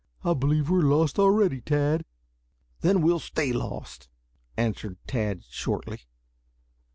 "I believe we are lost already, Tad." "Then we'll stay lost," answered Tad shortly.